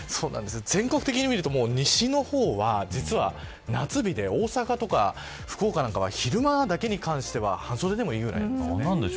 全国的に見ると西の方は夏日で、大阪とか福岡は昼間に関しては半袖でもいいぐらいです。